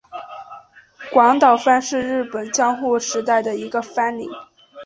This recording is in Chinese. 广岛藩是日本江户时代的一个藩领。